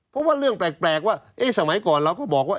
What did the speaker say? เพราะว่าเรื่องแปลกว่าสมัยก่อนเราก็บอกว่า